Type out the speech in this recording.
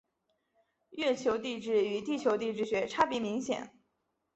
月球地质与地球地质学差别明显。